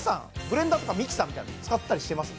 ブレンダーとかミキサーみたいなの使ったりしてます？